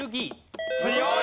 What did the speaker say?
強い！